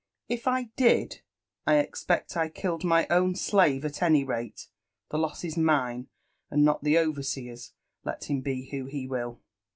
'* If I didf I expect I killed my own slave at any rate ;«— 'the loss is mine, and not the over seer's, let him be who be will."